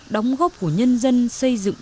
đóng góp của nhân dân xây dựng